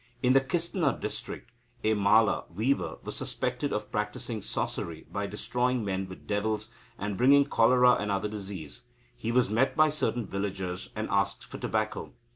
In the Kistna district, a Mala weaver was suspected of practising sorcery by destroying men with devils, and bringing cholera and other diseases. He was met by certain villagers, and asked for tobacco.